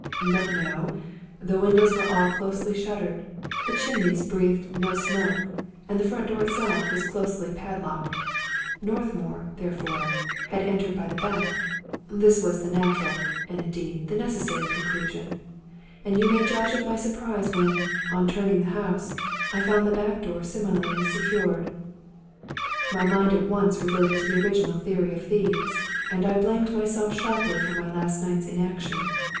But no: the windows were all closely shuttered, the chimneys breathed no smoke, and the front door itself was closely padlocked. Northmour, there fore, had entered by the back; this was the natural, and in deed, the necessary conclusion; and you may judge of my surprise when, on turning the house, I found the back door similarly secured. My mind at once reverted to the original theory of thieves; and I blamed myself sharply for my last night's inaction.